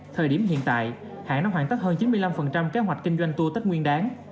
thời điểm hiện tại hãng đã hoàn tất hơn chín mươi năm kế hoạch kinh doanh tour tết nguyên đáng